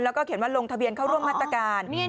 แล้วก็เขียนว่าลงทะเบียนเข้าร่วมมาตรการ